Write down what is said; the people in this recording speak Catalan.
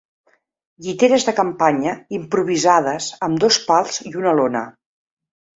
Lliteres de campanya improvisades amb dos pals i una lona.